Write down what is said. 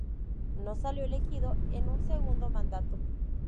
No salió elegido en un segundo mandato.